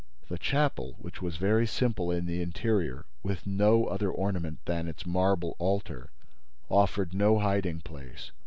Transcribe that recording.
The chapel, which was very simple in the interior, with no other ornament than its marble altar, offered no hiding place.